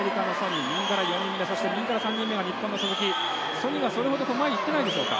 ソニがそれほど前にいってないでしょうか。